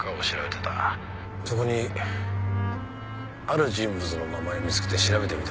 そこにある人物の名前を見つけて調べてみた。